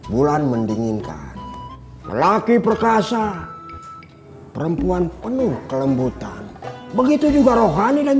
bulan mendinginkan lelaki perkasa perempuan penuh kelembutan begitu juga rohani dan